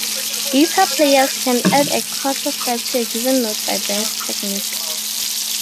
Guitar players can add a quarter step to a given note by bend technique.